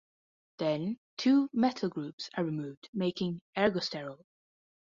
Then, two methyl groups are removed, making ergosterol.